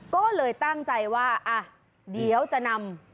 ก็เลยตั้งใจว่าอ่ะเดี๋ยวจะนำ